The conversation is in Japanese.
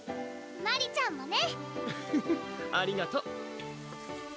マリちゃんもねフフフッありがと！